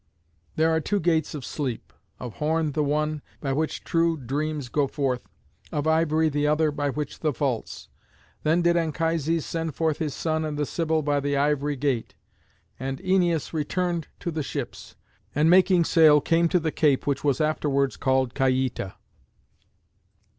There are two gates of Sleep, of horn the one, by which true dreams go forth; of ivory the other, by which the false. Then did Anchises send forth his son and the Sibyl by the ivory gate. And Æneas returned to the ships, and making sail came to the cape which was afterwards called Caieta.